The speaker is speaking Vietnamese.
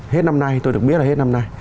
hết năm nay tôi được biết là hết năm nay